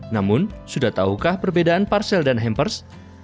namun sudah tahukah perbedaan parcel dan hampers